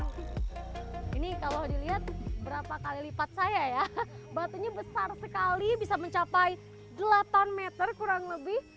berapa kali lipat saya ya batunya besar sekali bisa mencapai delapan meter kurang lebih